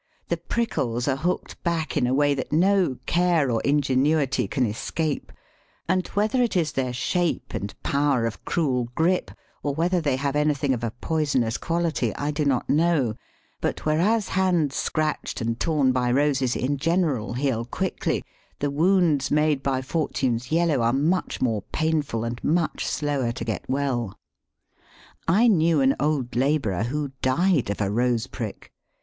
The prickles are hooked back in a way that no care or ingenuity can escape; and whether it is their shape and power of cruel grip, or whether they have anything of a poisonous quality, I do not know; but whereas hands scratched and torn by Roses in general heal quickly, the wounds made by Fortune's Yellow are much more painful and much slower to get well. I knew an old labourer who died of a rose prick.